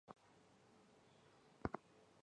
松驹的后辈。